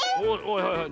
はいはい。